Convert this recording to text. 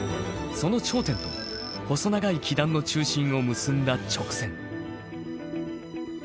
その頂点と細長い基壇の中心を結んだ直線。